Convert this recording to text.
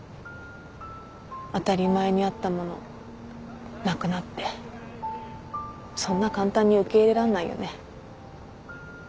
当たり前にあったものなくなってそんな簡単に受け入れらんないよね。